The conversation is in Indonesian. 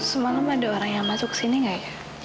semalam ada orang yang masuk sini nggak ya